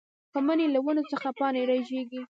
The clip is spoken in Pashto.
پۀ مني له ونو څخه پاڼې رژيږي